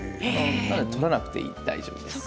だから取らなくて大丈夫です。